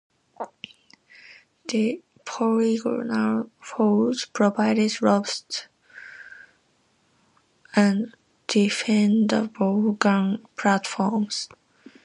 The polygonal forts provided robust and defendable gun platforms.